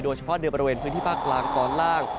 โดยเฉพาะประเภนภูติภาคร้านตอนล่าง